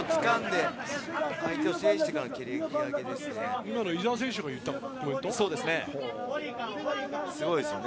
相手を制してからの蹴り上げでしたね。